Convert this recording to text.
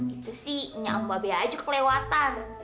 itu sih nyam babe aja kelewatan